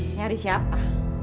ini ada siapa